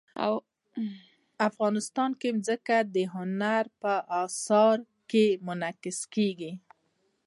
افغانستان کې ځمکه د هنر په اثار کې منعکس کېږي.